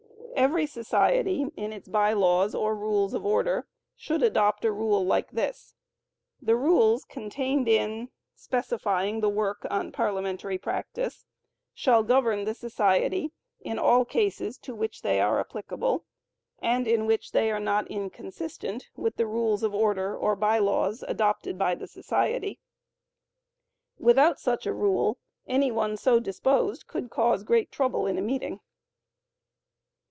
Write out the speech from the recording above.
Every society, in its By Laws or Rules of Order, should adopt a rule like this: "The rules contained in—(specifying the work on parliamentary practice) shall govern the society in all cases to which they are applicable, and in which they are not inconsistent with the Rules of Order (or By Laws) adopted by the society." Without such a rule, any one so disposed, could cause great trouble in a meeting.